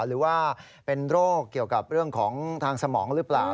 หรือว่าเป็นโรคเกี่ยวกับเรื่องของทางสมองหรือเปล่า